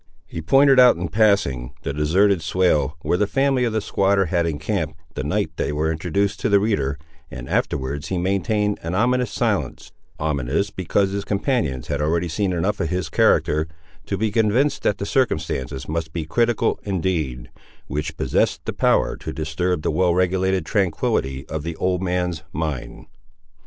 He pointed out in passing, the deserted swale, where the family of the squatter had encamped, the night they were introduced to the reader, and afterwards he maintained an ominous silence; ominous, because his companions had already seen enough of his character, to be convinced that the circumstances must be critical indeed, which possessed the power to disturb the well regulated tranquillity of the old man's mind.